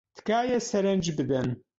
تکایە سەرنج بدەن.